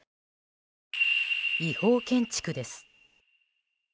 違法建築です。